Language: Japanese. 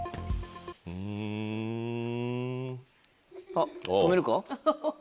あっ止めるか？